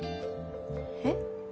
えっ？